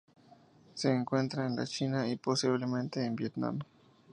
Se encuentra en la China y, posiblemente, el Vietnam.